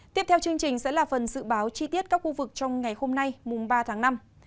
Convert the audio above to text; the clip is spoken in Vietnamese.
tiếp theo chương trình sẽ là phần dự báo chi tiết các khu vực trong ngày hôm nay mùng ba tháng năm